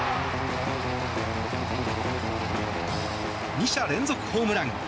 ２者連続ホームラン。